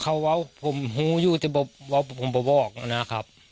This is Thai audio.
เขาว่าเขาว่าผมหูอยู่แต่ว่าผมบอกนะครับ